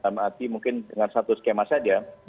mrt mungkin dengan satu skema saja